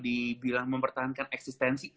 dibilang mempertahankan eksistensi